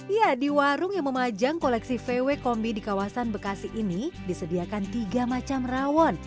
ya di warung yang memajang koleksi vw kombi di kawasan bekasi ini disediakan tiga macam rawon